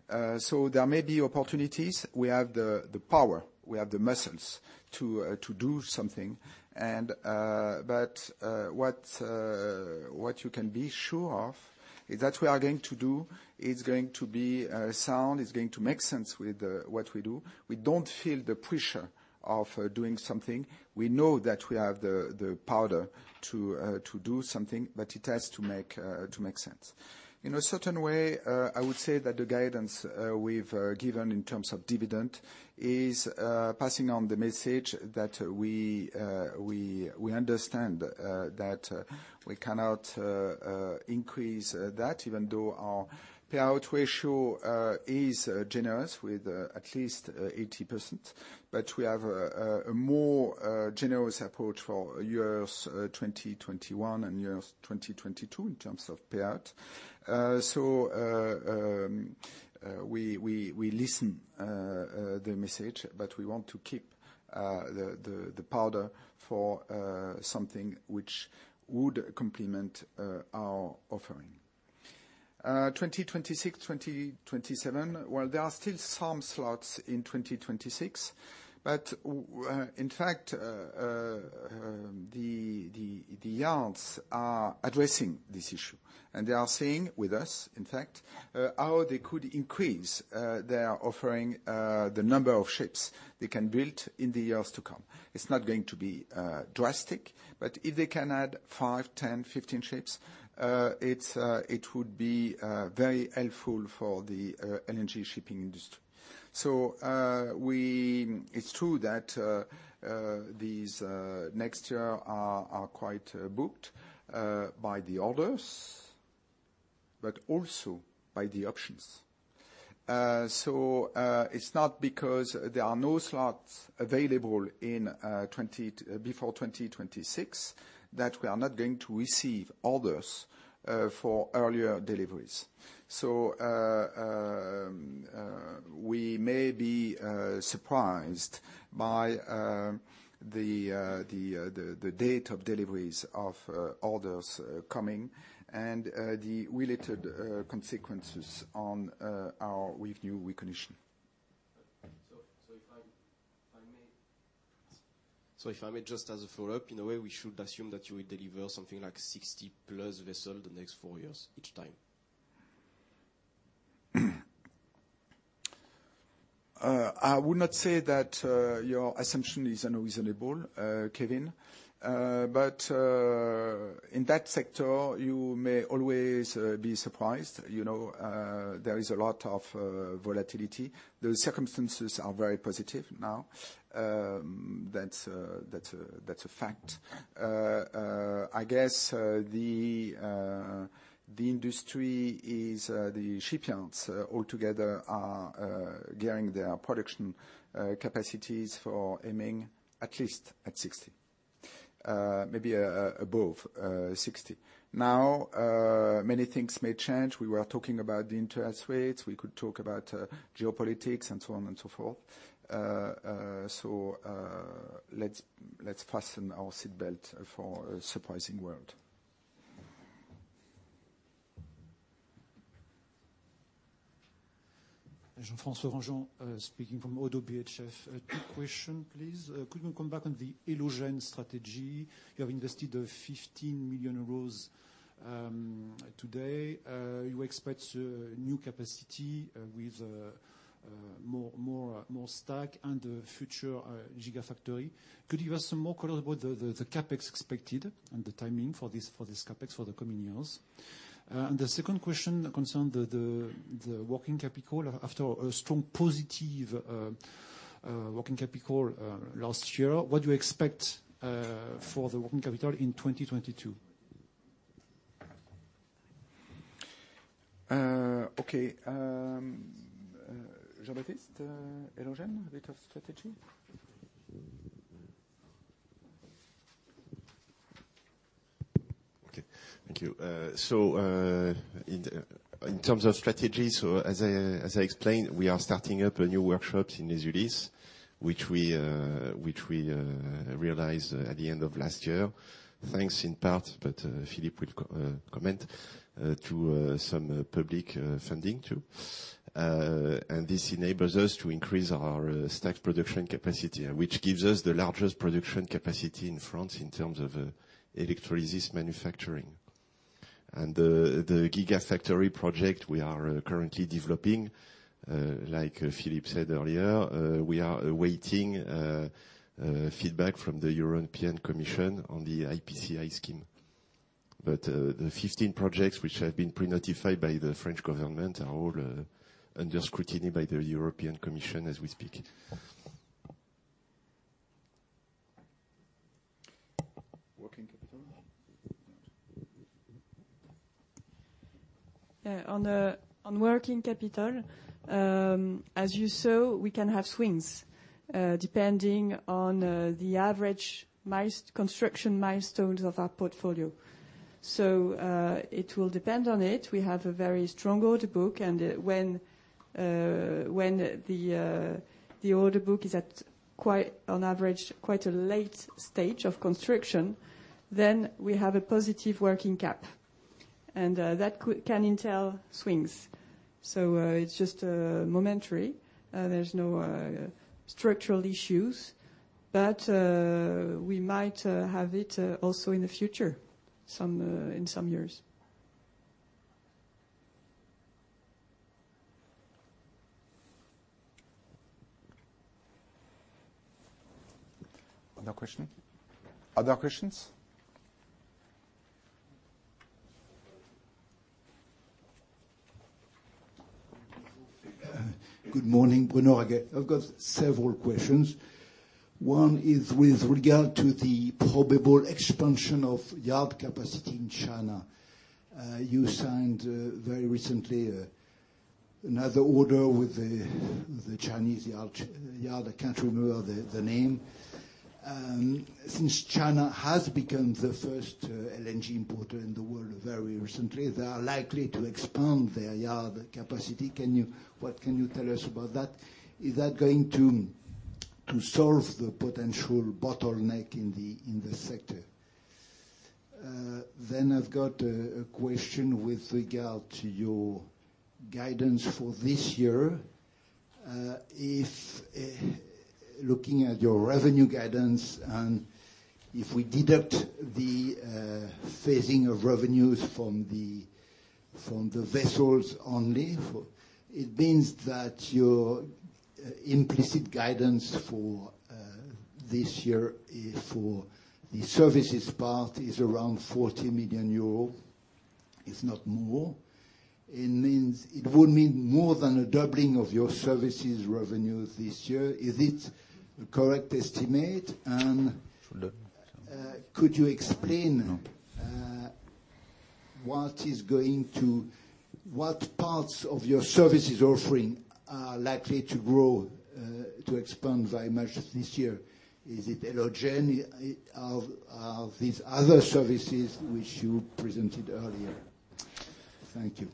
There may be opportunities. We have the power. We have the muscles to do something. But what you can be sure of is that we are going to do is going to be sound. It's going to make sense with what we do. We don't feel the pressure of doing something. We know that we have the power to do something, but it has to make sense. In a certain way, I would say that the guidance we've given in terms of dividend is passing on the message that we understand that we cannot increase that, even though our payout ratio is generous with at least 80%. But we have a more generous approach for years 2021 and years 2022 in terms of payout. So we listen to the message, but we want to keep the power for something which would complement our offering. 2026, 2027, well, there are still some slots in 2026. But in fact, the yards are addressing this issue. They are seeing with us, in fact, how they could increase their offering, the number of ships they can build in the years to come. It's not going to be drastic, but if they can add five, 10, 15 ships, it would be very helpful for the LNG shipping industry. So it's true that these next years are quite booked by the orders, but also by the options. So it's not because there are no slots available before 2026 that we are not going to receive orders for earlier deliveries. So we may be surprised by the date of deliveries of orders coming and the related consequences on our revenue recognition. So if I may. If I may just as a follow-up, in a way, we should assume that you will deliver something like 60 plus vessels the next four years each time? I would not say that your assumption is unreasonable, Kevin. But in that sector, you may always be surprised. There is a lot of volatility. The circumstances are very positive now. That's a fact. I guess the industry, the shipyards altogether are getting their production capacities for aiming at least at 60, maybe above 60. Now, many things may change. We were talking about the interest rates. We could talk about geopolitics and so on and so forth. So let's fasten our seatbelt for a surprising world. Jean-François Granjon, speaking from Oddo BHF. Two questions, please. Could we come back on the Elogen strategy? You have invested 15 million euros today. You expect new capacity with more stack and future Gigafactory. Could you give us some more color about the CapEx expected and the timing for this CapEx for the coming years? And the second question concerns the working capital after a strong positive working capital last year. What do you expect for the working capital in 2022? Okay. Jean-Baptiste, Elogen, a bit of strategy? Okay. Thank you. So in terms of strategy, so as I explained, we are starting up a new workshop in Les Ulis, which we realized at the end of last year, thanks in part, but Philippe will comment, to some public funding too, and this enables us to increase our stack production capacity, which gives us the largest production capacity in France in terms of electrolysis manufacturing, and the Gigafactory project we are currently developing, like Philippe said earlier, we are awaiting feedback from the European Commission on the IPCEI scheme, but the 15 projects which have been pre-notified by the French government are all under scrutiny by the European Commission as we speak. Working capital. On working capital, as you saw, we can have swings depending on the average construction milestones of our portfolio. So it will depend on it. We have a very strong order book. And when the order book is at, on average, quite a late stage of construction, then we have a positive working cap. And that can entail swings. So it's just momentary. There's no structural issues. But we might have it also in the future in some years. Other questions? Other questions? Good morning. Bruno Roquier. I've got several questions. One is with regard to the probable expansion of yard capacity in China. You signed very recently another order with the Chinese yard. I can't remember the name. Since China has become the first LNG importer in the world very recently, they are likely to expand their yard capacity. What can you tell us about that? Is that going to solve the potential bottleneck in the sector? Then I've got a question with regard to your guidance for this year. Looking at your revenue guidance, and if we deduct the phasing of revenues from the vessels only, it means that your implicit guidance for this year for the services part is around 40 million euro, if not more. It would mean more than a doubling of your services revenues this year. Is it a correct estimate? Could you explain what parts of your services offering are likely to grow, to expand very much this year? Is it Elogen? Are these other services which you presented earlier? Thank you.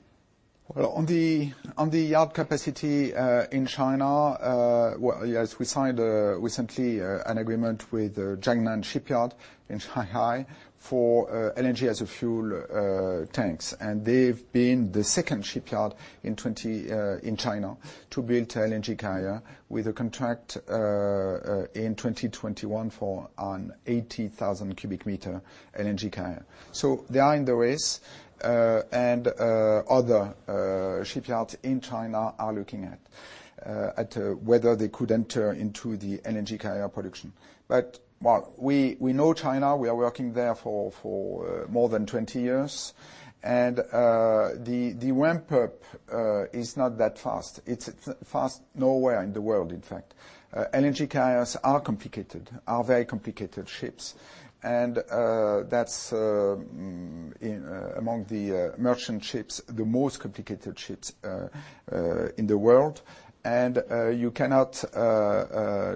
On the yard capacity in China, as we signed recently an agreement with Jiangnan Shipyard in Shanghai for LNG as a fuel tanks. And they've been the second shipyard in China to build an LNG carrier with a contract in 2021 for an 80,000 cubic meter LNG carrier. So they are in the race. And other shipyards in China are looking at whether they could enter into the LNG carrier production. But we know China. We are working there for more than 20 years. And the ramp-up is not that fast. It's fast nowhere in the world, in fact. LNG carriers are complicated, are very complicated ships. And that's among the merchant ships, the most complicated ships in the world. And you cannot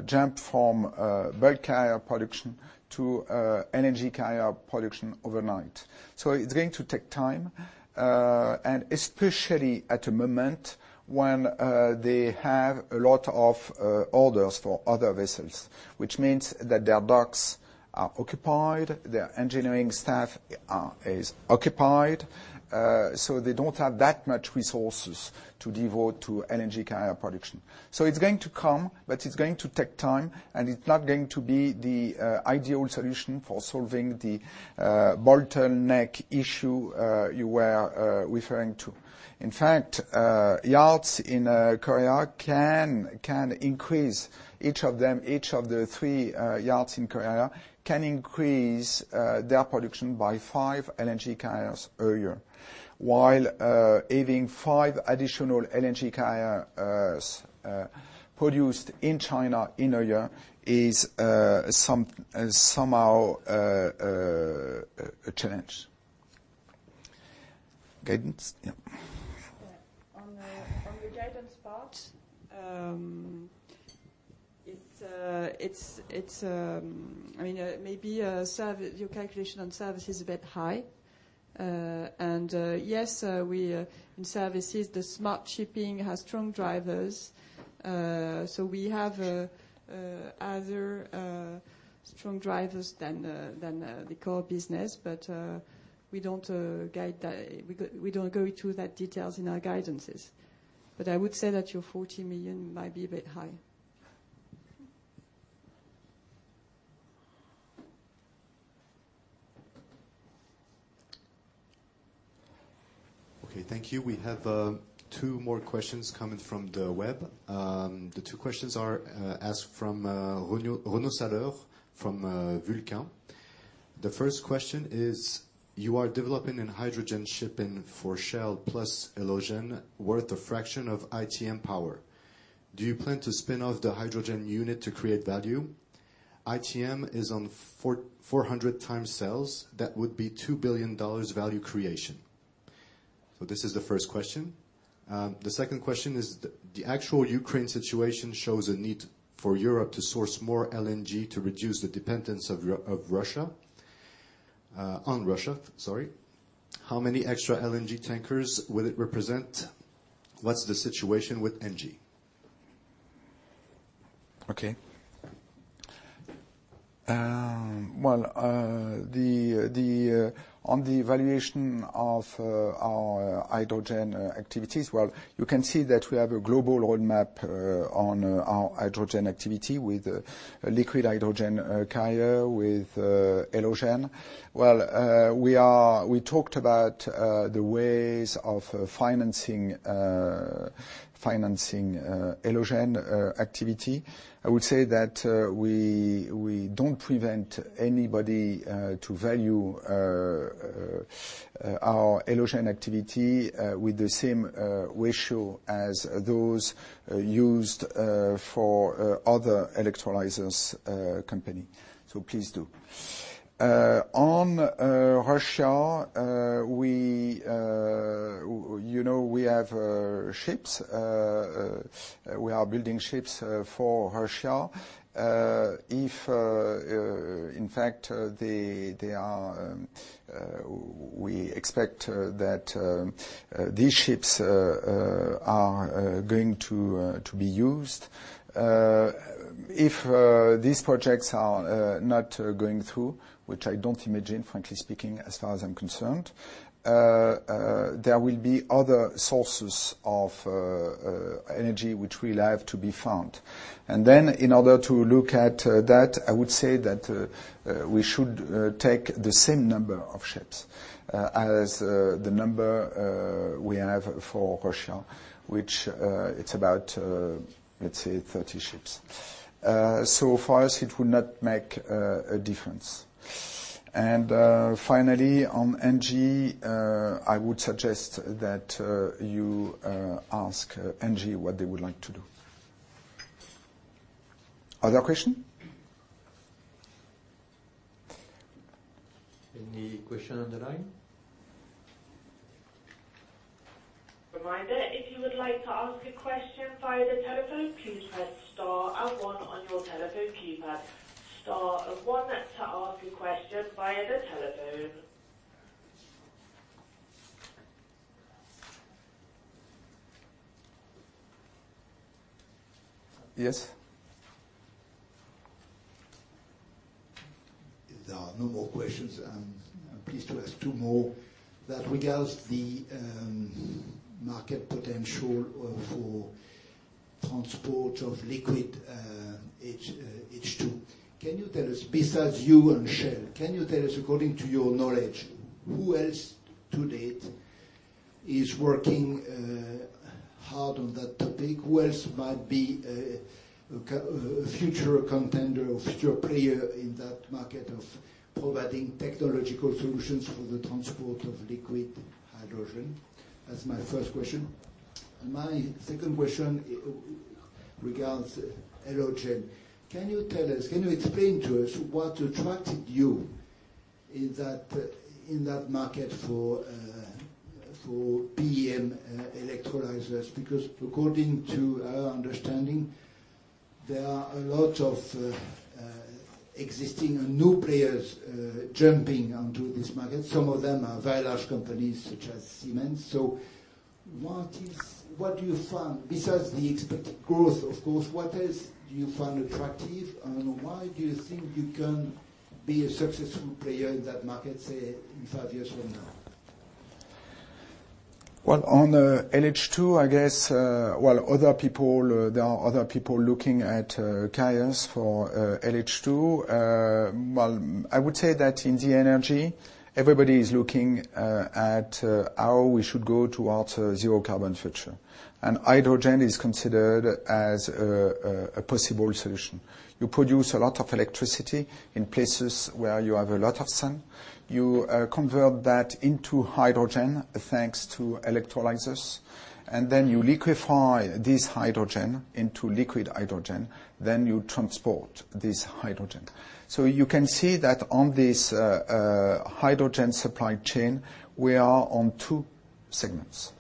jump from bulk carrier production to LNG carrier production overnight. So it's going to take time, and especially at a moment when they have a lot of orders for other vessels, which means that their docks are occupied, their engineering staff is occupied. So they don't have that much resources to devote to LNG carrier production. So it's going to come, but it's going to take time. And it's not going to be the ideal solution for solving the bottleneck issue you were referring to. In fact, yards in Korea can increase. Each of them, each of the three yards in Korea can increase their production by five LNG carriers a year, while having five additional LNG carriers produced in China in a year is somehow a challenge. Guidance? Yeah. On the guidance part, I mean, maybe your calculation on service is a bit high. And yes, in services, the Smart Shipping has strong drivers. So we have other strong drivers than the core business. But we don't go into that detail in our guidances. But I would say that your 40 million EUR might be a bit high. Okay. Thank you. We have two more questions coming from the web. The two questions are asked from Renaud Sailer from Vulcain. The first question is, you are developing a hydrogen solution for Shell plus Elogen worth a fraction of ITM Power. Do you plan to spin off the hydrogen unit to create value? ITM is on 400 times sales. That would be $2 billion value creation. So this is the first question. The second question is, the actual Ukraine situation shows a need for Europe to source more LNG to reduce the dependence on Russia. How many extra LNG tankers will it represent? What's the situation with Engie? Okay. Well, on the evaluation of our hydrogen activities, well, you can see that we have a global roadmap on our hydrogen activity with liquid hydrogen carrier with Elogen. Well, we talked about the ways of financing Elogen activity. I would say that we don't prevent anybody from valuing our Elogen activity with the same ratio as those used for other electrolyzers company. So please do. On Russia, we have ships. We are building ships for Russia. In fact, we expect that these ships are going to be used. If these projects are not going through, which I don't imagine, frankly speaking, as far as I'm concerned, there will be other sources of energy which will have to be found. And then, in order to look at that, I would say that we should take the same number of ships as the number we have for Russia, which it's about, let's say, 30 ships. So for us, it would not make a difference. And finally, on Engie, I would suggest that you ask Engie what they would like to do. Other question? Any question on the line? Reminder, if you would like to ask a question via the telephone, please press star and one on your telephone keypad. Star and one to ask a question via the telephone. Yes. If there are no more questions, please to ask two more. That regards the market potential for transport of liquid H2. Can you tell us, besides you and Shell, can you tell us, according to your knowledge, who else to date is working hard on that topic? Who else might be a future contender or future player in that market of providing technological solutions for the transport of liquid hydrogen? That's my first question. And my second question regards Elogen. Can you tell us, can you explain to us what attracted you in that market for PEM electrolyzers? Because according to our understanding, there are a lot of existing and new players jumping onto this market. Some of them are very large companies such as Siemens. So what do you find, besides the expected growth, of course, what else do you find attractive? Why do you think you can be a successful player in that market, say, in five years from now? Well, on LH2, I guess, there are other people looking at carriers for LH2. I would say that in the energy, everybody is looking at how we should go towards a zero-carbon future, and hydrogen is considered as a possible solution. You produce a lot of electricity in places where you have a lot of sun. You convert that into hydrogen thanks to electrolyzers, and then you liquefy this hydrogen into liquid hydrogen, then you transport this hydrogen, so you can see that on this hydrogen supply chain, we are on two segments,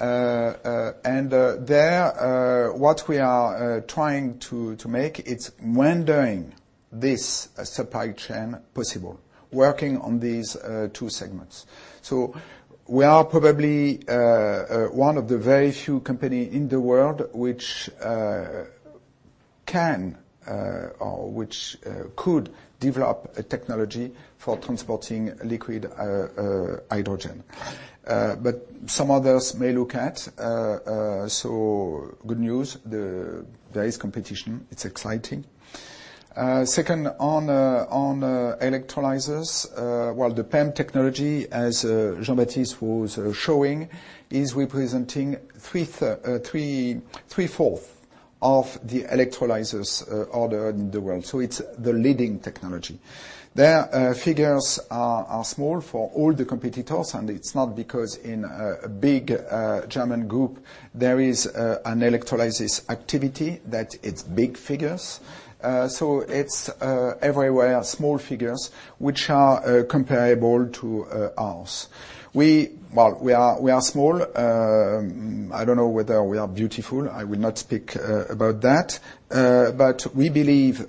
and there, what we are trying to make is rendering this supply chain possible, working on these two segments. We are probably one of the very few companies in the world which can or which could develop a technology for transporting liquid hydrogen, but some others may look at. Good news, there is competition. It's exciting. Second, on electrolyzers, well, the PEM technology, as Jean-Baptiste was showing, is representing three-fourths of the electrolyzers ordered in the world. It's the leading technology. Their figures are small for all the competitors. And it's not because in a big German group, there is an electrolysis activity that it's big figures. It's everywhere small figures which are comparable to ours. Well, we are small. I don't know whether we are beautiful. I will not speak about that. But we believe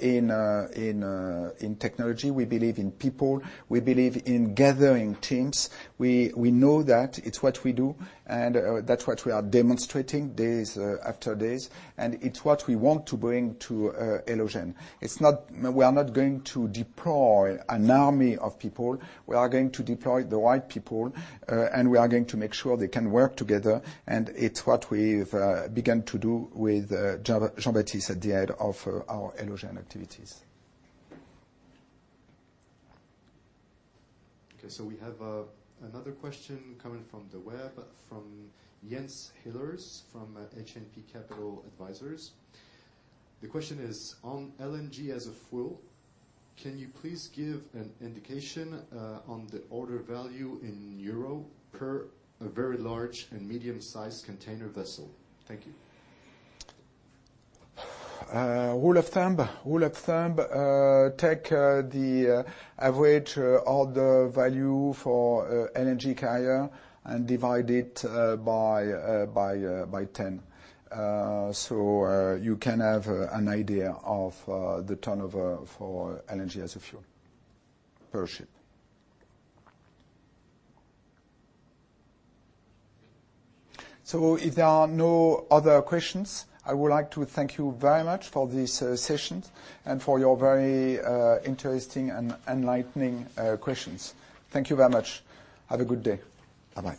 in technology. We believe in people. We believe in gathering teams. We know that. It's what we do. And that's what we are demonstrating day after day. And it's what we want to bring to Elogen. We are not going to deploy an army of people. We are going to deploy the right people. We are going to make sure they can work together. It's what we've begun to do with Jean-Baptiste at the head of our Elogen activities. Okay. So we have another question coming from the web from Jens Hillers from H&P Capital Advisors. The question is, on LNG as fuel, can you please give an indication on the order value in euros per a very large and medium-sized container vessel? Thank you. Rule of thumb. Rule of thumb, take the average order value for LNG carrier and divide it by 10. So you can have an idea of the turnover for LNG as a fuel per ship. So if there are no other questions, I would like to thank you very much for this session and for your very interesting and enlightening questions. Thank you very much. Have a good day. Bye-bye.